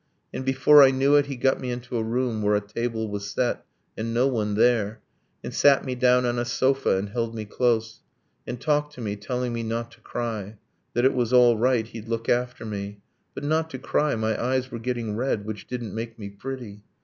And before I knew it, he got me into a room Where a table was set, and no one there, And sat me down on a sofa, and held me close, And talked to me, telling me not to cry, That it was all right, he'd look after me, But not to cry, my eyes were getting red, Which didn't make me pretty.